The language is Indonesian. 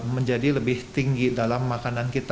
menjadi lebih tinggi dalam makanan kita